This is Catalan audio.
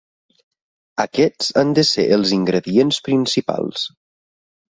Aquests han de ser els ingredients principals.